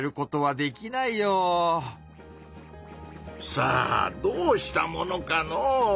さあどうしたものかのう。